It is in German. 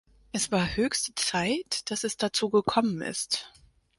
Es war höchste Zeit, dass es dazu gekommen ist.